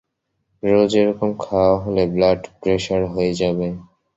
রোজ এ-রকম খাওয়া হলে ব্লাড প্রেসার হয়ে যাবে।